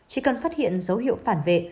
chỉ cần phát hiện dấu hiệu phản vệ